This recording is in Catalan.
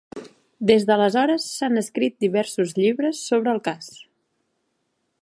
Des d'aleshores s'han escrit diversos llibres sobre el cas.